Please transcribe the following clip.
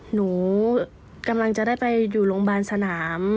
หนูกำลังจะได้ไปอยู่โรงพยาบาลสนาม